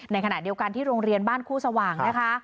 ในขณะเดียวกันที่โรงเรียนบ้านคู่สว่างนะคะ